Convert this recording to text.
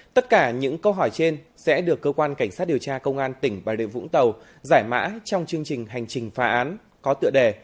tất cả những câu hỏi trên sẽ được cơ quan cảnh sát điều tra công an tỉnh bà rịa vũng tàu giải mã trong chương trình hành trình phá án có tựa đề